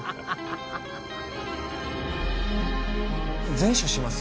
善処します？